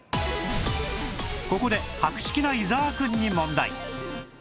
ここで博識な伊沢くんに問題